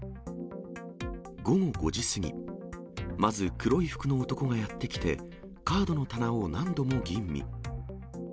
午後５時過ぎ、まず黒い服の男がやって来て、カードの棚を何度も吟味。